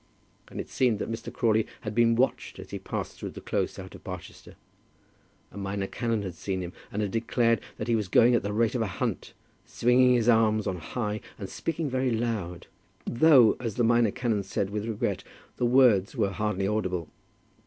And it seemed that Mr. Crawley had been watched as he passed through the close out of Barchester. A minor canon had seen him, and had declared that he was going at the rate of a hunt, swinging his arms on high and speaking very loud, though, as the minor canon said with regret, the words were hardly audible.